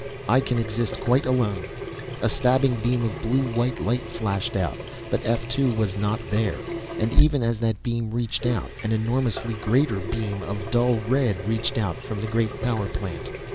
"I can exist quite alone." A stabbing beam of blue white light flashed out, but F 2 was not there, and even as that beam reached out, an enormously greater beam of dull red reached out from the great power plant.